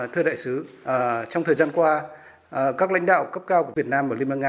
thưa đại sứ trong thời gian qua các lãnh đạo cấp cao của việt nam và liên bang nga